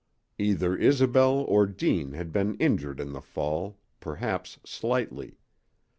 Either Isobel or Deane had been injured in the fall, perhaps slightly.